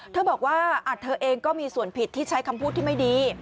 เธอบอกว่าเธอเองก็มีส่วนผิดที่ใช้คำพูดที่ไม่ดี